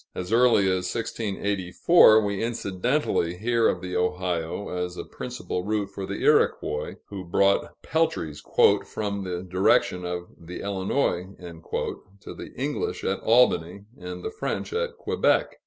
As early as 1684, we incidentally hear of the Ohio as a principal route for the Iroquois, who brought peltries "from the direction of the Illinois" to the English at Albany, and the French at Quebec.